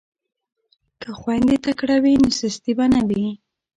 که خویندې تکړه وي نو سستي به نه وي.